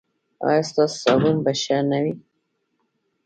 ایا ستاسو صابون به ښه نه وي؟